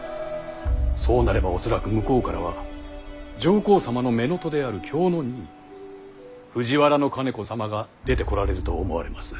そうなれば恐らく向こうからは上皇様の乳母である卿二位藤原兼子様が出てこられると思われます。